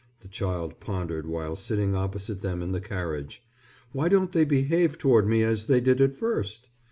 the child pondered while sitting opposite them in the carriage. "Why don't they behave toward me as they did at first?